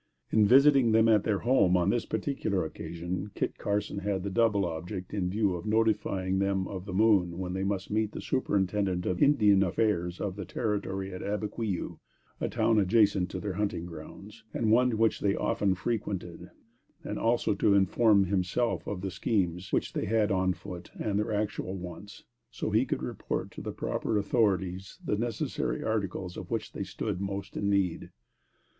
In visiting them at their home on this particular occasion, Kit Carson had the double object in view of notifying them of the moon when they must meet the superintendent of the Indian affairs of the territory at Abiquiu, a town adjacent to their hunting grounds, and one which they often frequented, and also, to inform himself of the schemes which they had on foot and their actual wants, so that he could report to the proper authorities the necessary articles of which they stood most in need.